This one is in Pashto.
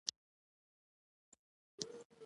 په نړېوال اقتصاد چورت خرابوي.